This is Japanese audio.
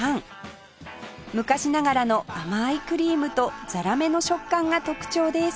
昔ながらの甘いクリームとザラメの食感が特徴です